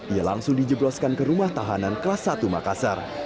ia langsung dijebloskan ke rumah tahanan kelas satu makassar